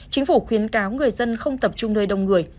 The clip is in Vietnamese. chính phủ khuyến cáo người dân không tập trung nơi đông người